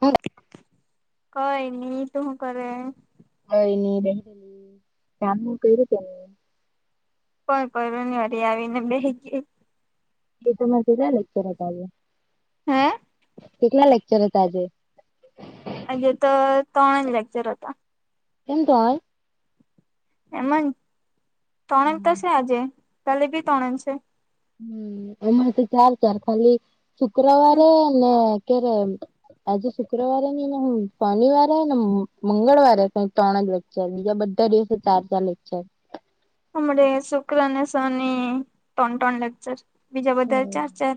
હા. કઈ નની તું કરે? હ એ ન બેની ચમકઈ રતે [unintelligible] કોઈ કરું નહી વારી આવીને બે ગય. એ કેટલા લેક્ચર હતા, હે કેટલા લેક્ચર હતા? એજ તો ત્રણ જ લેક્ચર હતા. એમ્રય [unintelligible] એમ ત્રણક તોશે આજે, કાલે બી ત્રણક છે. હમ અમાં તો ચાર ચાર, ખાલી શુક્રવારે ને કે્યારે આજે શુક્રવારે ને શોનિવારે ને મંગળવારે કઈ ત્રણ જ વાગ્યા બીજા બધા દિવસે ચાર ચાર લેકચર. હમણે શુક્ર અને શન ત્રણ ત્રણ લેક્ચર, બીજા બધા ચાર ચાર.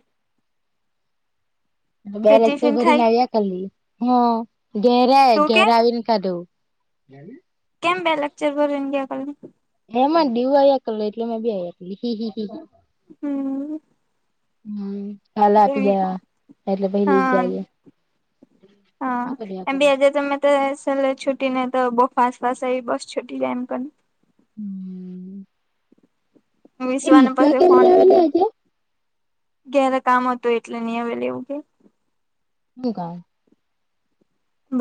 બે તે લેક્સર ટિફિન ભરીને ખાઈ આવ્યા, કાલી હ ઘેરે તું કે ઘેરે આવીને કદું. કેમ બે લક્ચર બરન કે આ? હેમાં દડીવ આ કર એટલે મેં બી આ કલી હ હ. હમ. હમ કાલે આપી દવા એટલે પેલી જાય. હ, એમ આજ તમે તો સરલે છુટી નને તો બફાાસ ફાસ એઈ બસ છુટી જાય એમ કોને. હમ. એ વિસવાના વિશ્વા પાસે કેમ ની ફોન આવેલી આજે ઘે્યારે કામ હતું એટલે નહી હવે લેવું કે. હું કામ.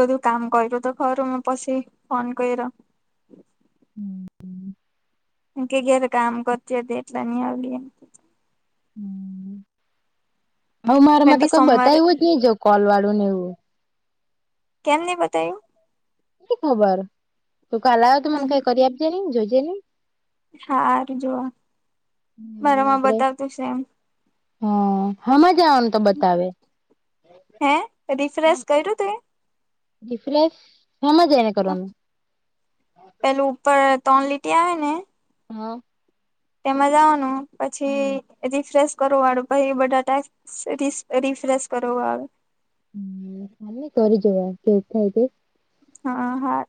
બધું કામ કરું તો ઘર હું પછી ફોન કયરો. હમ હમ. કે કે કામ કરચ દે એટલા ની આવેલી એમ. હ હ, મેં મારામાં તો બી કોઈ સોમવારે બતાવું જ નહી જો કોલ વાળું ને એવું. કેમ ને બતાયું? ખબર તું કાલ આવ તો મને કઈ કરી આપજે નઈ જોઈજે નહી. હાારું જોવા, હમણાં મારામાં આપડે બતાવતું છે એમ. હ, હા મજાનું તો બતાવે? હે રિફ્રેશ કર્યું ત? રીફ્રેશ, હામ જઈને કરવાનું? પેલું ઉપર ત્રણ લીટી આવે ને. હા. તેમાં જાઓનું પછી હમ રિફ્રેશ કર વાળો પાઈ બધા રિફ્રેશ કર આવે. હ તને કરી જોવા કેવ થાય છે. હા હા.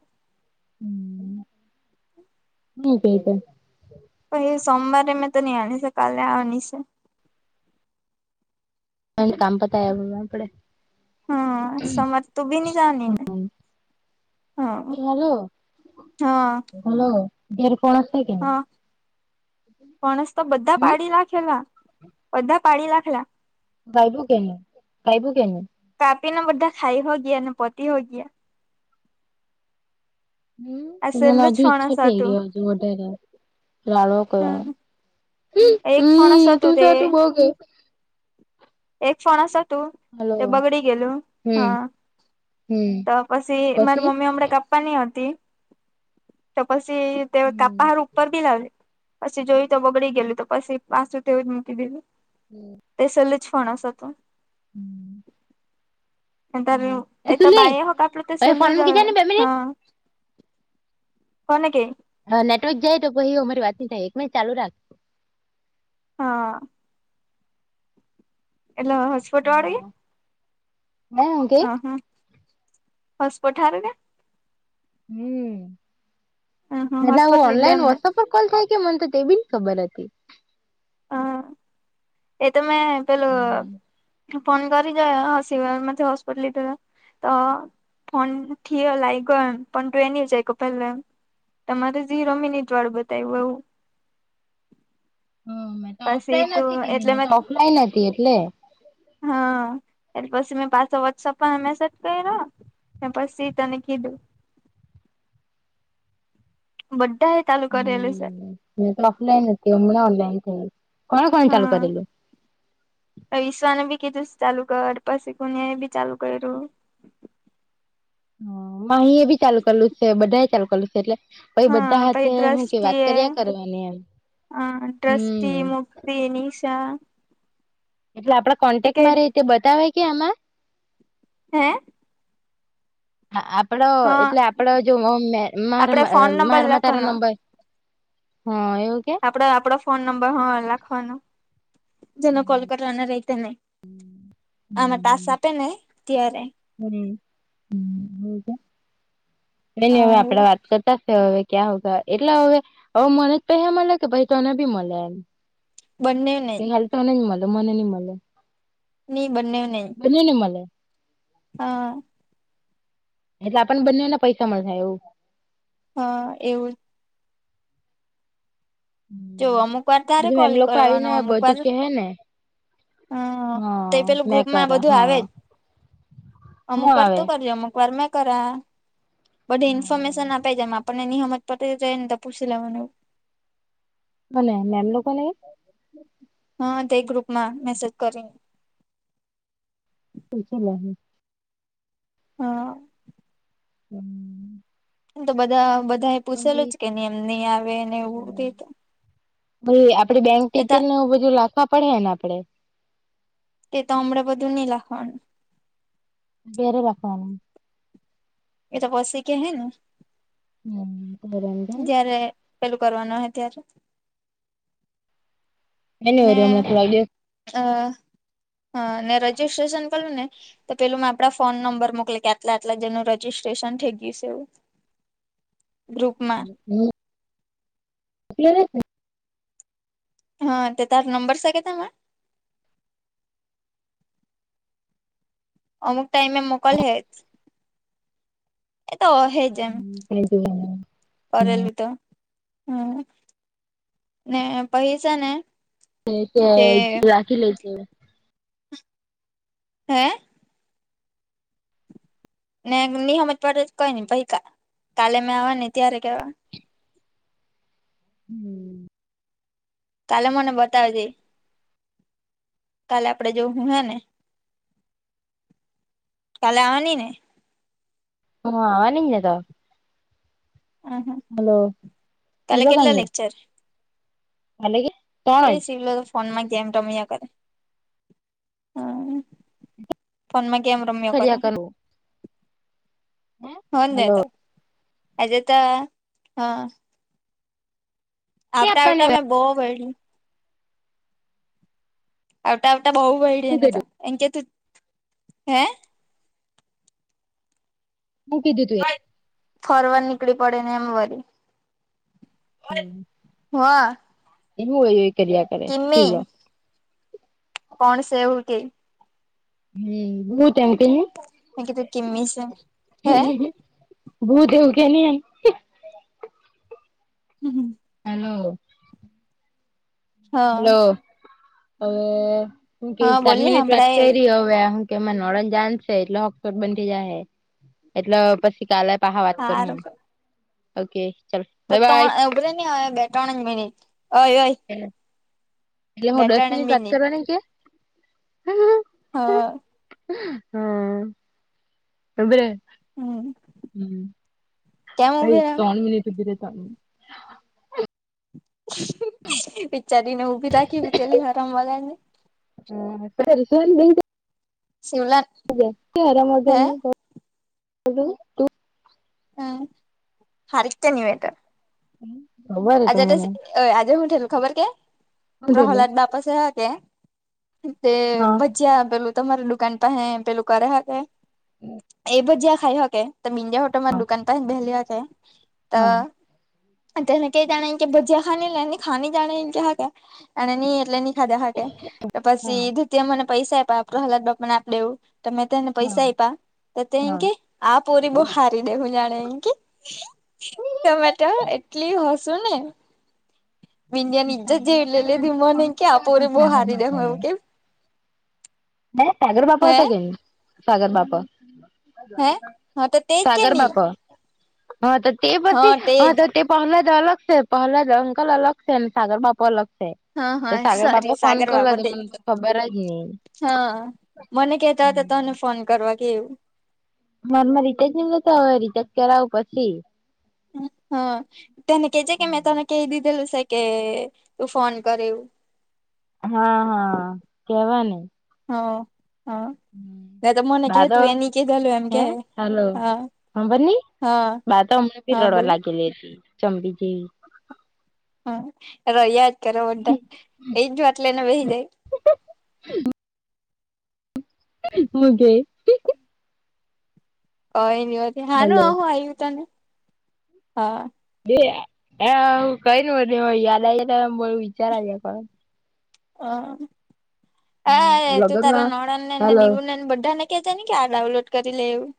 હમ હમ કટ પછ સોમવારે મેં તો નહી આની છે કાલે આની છે કામ પતા આપડે હમ સર તું બી ન જાની ને હા એ હાલો હા હલો દેર કોણશે કે માણસ તો બધા પાડી નાખેલા બધા પાડી નાખેલા ભાઈબું કે ભાઈબું કેને કાપી નાને બધા ખાઈ હો ગયા ને પોતી હોગયા હમ આ મને છેલ્લું જ હજુ ફણસ ઈચ્છા થઈ ગ હતું હજુ વધારે લડો કયો હમ એક ફણ તું તે એક ફણ તું હલો તે બગડી ગયેલું હમ હા હમ તો પછી મારી મમ્મી હમ કાપ ની હતી તો પછી તે હમ કાપાારું ઉપ બી લાવે પછી જોયું તો બગડી ગયલું તો પછી પાસું તેવું જ મૂકી દેધું [unintelligible] તે સલે જ ફણ તોું [unintelligible] એ એ તું તો લે બાઈ હ કપડું તો હવે ફોન સેલ્લું મૂકી જવે જાય ને બે મિનિટ હા કો ન કે હ નેટવર્ક જાય તો પછ એું અમારીતહી થાય એક મં ચાલુ રાખ હા એલ્ હસ્પોટ વાળગ હા હું કે અહો હસપઠાર કે હ હ હમ એટ હું હોસ્પિટલ લીધું ઓનલાઈન એમને વસઅપ કોલ થાય કે મન તો એ બી ને ખબર હતી હ એ તમે પેલું ફોન કરી જ હસી મ હોસ્પિટલ તો ફોન થીય લ આવી ગયોમ પણ ટ એની જાય ક પહેલા તમારે જેી રમી ની જ્વાળ બતાવ્યું એવું હમ મેં તો પછી ઓફલાઈન તો હતી કેની એટલે મેં મે તો ઓફલાઈન હતી એટલે હા એ પછીમે બાસ વછ પણમેસેટ ક ર પછી તને કીધું વ્ા એ ચાલુ કરેલું છે હ તો અફલાન મન થ કોણ કોણ ચાલુ કરલું વિશ્્વાને બી કીધું ચાલુ કર પછી ગુનિયા એ બી ચાલુ કર્યું હ માહી એ બી ચાલુ કરેલું છે બધા એ ચાલુ કરેલું છે એટલે પઈ બધા હા હાથે પછી હું કે વાત દ્રષ્ટિએ કર્યા કરવાની એમ હમ ફનીિશા એટલે આપડા કોન્ટેક્ટ માં રતે બતાવેય કે આમાં હે હ આપડો હા એટલે આપડ જો મા આપડે ફોન નંબર મારામાં તારો લખવાનો નંબર હ એવું કે્યા આપડો આપડો ફોન નંબર હ લખવાનો જેનો કોલ કરવાને રહી ત નને આમાં તાસ આપે ને ત્યારે હમ છે એની હવે આપડાે વાત કરતાશે હવે ક્યાં એટલે હવે હવે મને જ પૈસા મળે કે પછ તોને બી મળે એમ બંને નહી તણની મળલ મનની મળલ. ન બન્ને્યો નહી. બને નિમલ. હા એટલે આપને બંનેને પૈસા મળ થાય એવું. હા એવું જ. તો અમુક વાર તારે હજુ કોલ એમ લોકો કરોનું આવીને અમુક વાર. બધું કે હે ને હમ તે હા પેલું મેં ગ્રુપમાં કર બધું આવે હા જ. હું અમુક વાર આવે તું કરલી અમુક વાર મેં કરા. બધી ઇન્ફોર્મેશન આપે છેમ આપણને નિનીહંમત પટે જાય ને તો પૂછી લેવાનું. બ મે એમ લોકોને. હા તે ગ્રુપ માં મેસેજ કરીને. બજ લ. હા. હમ. એમ તો બધા બધા એ પૂછેલું જ કે ન એમ નહી આવે ને એવું થ. ભ આપડે બેંક ડિટેલને બધું લખવા પડે હે ને આપડે. તે તો અમરા બધું ન લખ. બેરે રાખવાનું. એ તો પસેી કે હૈ ને. હમ. જયારે પેલું કરવાનું હો ત્યારે. એની ને હમણા થોડા દિવ. અ હા રજીિસ્ટ્રેશન કરું ને. તો પેલું મે આપડા ફોન નંબર મોકલી કે આટલા આટલા જેનું રજીિસ્ટ્રેશન થઈ ગયું છે એવું. ગ્રુપમાં હલી ને. હા તો તાર નંબર છે કે તમામાં. અમુક ટાઈમે એ મોકલ હેજ એ તો હેજ. હમ ક જ. કરેલું તો હમ ને પૈસા ને. તે રાખી લે છે. હે. ને નિહમત પડે કઈ ન પછ કાલે મેં આવા ને ત્યારે કેવા. હમ. કાલે મને બતાવેજે. કાલે આપડે જોવ હું હે ને. કાલે આવવાની ને. હ આવા નિને તો. હ હલો કાલે હીલો કેટલા કઈ. લેક્ચર અલેગ. તે સિિવલો તો ફોન માં ગેમ રમ્યા કરે હમ. ફોન માં કેેમ રમ્યો કરે ફર્યા કરવું હે હો ન હલો તો એજ તો હા. એ આવતા આપવાની આવટા હોય મેં બો ભ્યું. આ તોટ બો બહેડી હું એને તો કીધું એ કે તું હે. મૂટી દીધું એ. ફરવાડ નીકળી પડે ને એમ વરી. હા. એવું હોયય કર્યા કરે પીવ કિમ્મી લો. કોણ સવું કે. હમ બહત એમતી હ હકી તું કમીશ હે ભૂ દવ કે ન એ હમ હ હલો હા હલો હવે હું હા કેશ ચાર બોલની મિનિટ વાત હંભળાય કરી હવે. કે નોળન જાશે એટલે હોટસ્પોટ બંધ જાય હ એટલે પછી કાલે પહ વાત કરું હારું ઓકે ચાલ તો બાય બાય ત્રણ ઉભરે નની હય બે ત્રણ મિનિટ હોય હોય. એલે હ દસ મિનિટ વાત કરવાની કે. હા. હમ એ બર હમ હમ કેમ ભાઈ ઉભી રા ત્રણ મિનિટ બીરે ત વિચારીને ઊભી રાખી કેલી હરમાં વળગરને. હ [unintelligible] શિવલાત. હરામ વગર ની તુ હમ હારખતા ની વી હોયટ હમ. આજે તો આજે હુંઠલું ખબર કે બાંધેલી પ્રહ્લાદ બાપસે હ કે તે હા ભજીયા પેલું તમારી દુકાન પાસે પેલું કર્યા કે એ ભજ્યાં ખાઈ હકે તો લીઆઓજ તમાહોટલ મા હા દુકાન પણ બેહેલી હોકે હા અ [unintelligible] કઈ જાણે કે ભજીયા ખા એ એ ખા જાણે કે હા ન એટલે ખાધે હ કે તો પછી હા ભજીયા મને પૈસા આપ આપ હલાત બાપ ને આપ દેવું તમે તને હા પૈસા એઈપા તે થઈ હા કે આ પરી બહાર [unintelligible] વું જામેટ એટલી હસ શુંને.. બિન્ડિયાનીજ જ જેવી લે લેધી મને કે આપોરે બહુ હારી દેમ એવું કેમ હ સાગર બાપા હે હતા કે ન સાગર બાપા. હે હા તો તેજ કે સાગર ની બાપ હા તો તે હા પછી હ તેજ તે પહલા જ અલગ છે પહલા જ અંકલ અલગ છે અને સાગર બાપુ અલગ છે. હા તો હા સાગર સોરી બાપા ફોન સાગર કરલા બાપા તો તેજ મને તો ખબર જ નહી હા મને કતા હતા તને ફોન કરવા કેવું. મનમાં રીચજ મ નતા હવે રીચજ કરાવું પછી. હ તેને કેજે કે મેં તને કહી દીધેલું છે કે તું ફોન કરેવું. હા હા કેવા ને. હ હા ના તો મને કે બા તો તું એની કેધલું એમ કે હા. ખબર ની હા બા તો હમનેં પી હા રડવા બોલને લાગેલી હતી ચમડી જેવી. હમ યાદ કરો બધા એજ વાટલે એને વહી જાય. મુ ગે. ઓ એની હોતી હાનું હલો આવ્યું તને હા. બે કઈ ન હો હ યાદ આવ આવી ત બો વિચાર આવ્યા કો હ કર હા તો તારે લગ્નમાં નણ નેને હલો દીવું નેને બધાને. કે જા કે આ ડાઉનલોડ કરી લે એવું.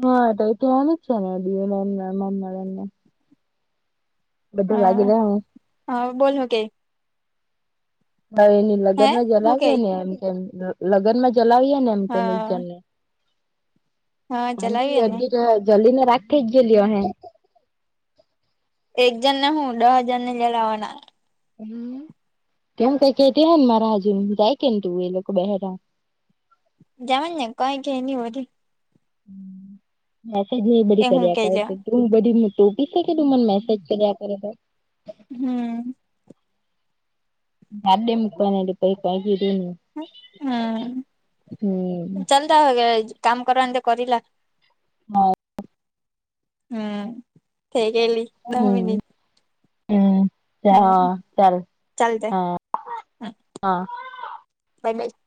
હા તો એ તો હાલ જ છે ને દી મમ્મા બને બધું હા [unintelligible] હા, બોલ, હુ, કે હવે એની લગ્ન હે માં હું જલાવીએ કેય ને એમ કે, લગ્ન માં જલાવીએ ને એમ કેમ એક જણને હા ને હા [unintelligible] ચલાવીએ ને અધી જલ્દીને રાખ થઈ ગયેલી અ હૈ એક જણ ને હું દહ હજણને લે લાવના. ત કઈ કેતી હ ને મારા હજુ હ જાય કે ને તું એ લોકો બહેરા. જવાનું ને કઈ કે એની હો. મેસેજ એ બધી હું કર્યા કઈ લે કરે તું બધી ટોપી શકે તું મને મેસેજ કર્યા કરે. હમ. જાડે મૂકવાની એટલે પહ કી ર હમ હમ. ચાલતા કામ કરવા કરલા હા. હમ થઈ ગયેલી દહ હમ, મિનિટ હમ હમ હા, ચાલ, ચાલતે હા, બાય હા [unintelligible]